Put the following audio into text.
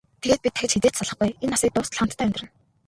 Тэгээд бид дахин хэзээ ч салахгүй, энэ насыг дуустал хамтдаа амьдарна.